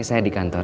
ini saya di kantor